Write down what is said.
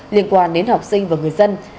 liên quan đến học sinh và người dân